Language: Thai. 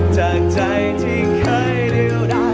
จากใจที่เคยเดียวได้